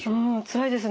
つらいですね。